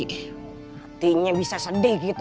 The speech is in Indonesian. hatinya bisa sedih gitu